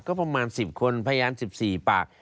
ก็ประมาณ๑๐คนพยาน๑๔ปาก